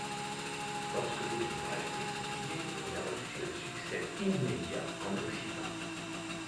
Lorsque le livre a été publié, il a reçu un succès immédiat en Occident.